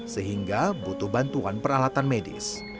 sehingga butuh bantuan peralatan medis